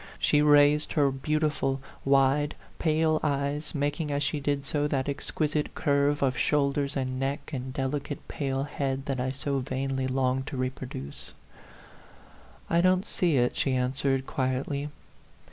She raised her beautiful, wide, pale eyes, making as she did so that exquisite curve of shoulders and neck and delicate, pale head that I so vainly longed to reproduce. " I don't see it," she answered, quietly.